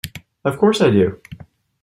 Of course I do!